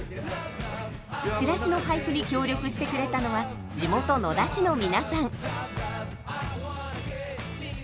チラシの配布に協力してくれたのは地元野田市の皆さん。